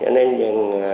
cho nên là